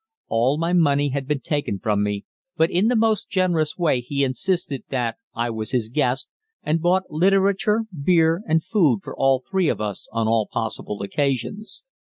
All my money had been taken from me, but in the most generous way he insisted that I was his guest and bought literature, beer, and food for all three of us on all possible occasions.